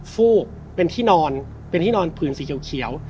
ฟูบเป็นที่นอนเป็นที่นอนห้องภูมิสีเขา